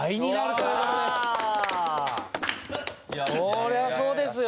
そりゃそうですよ。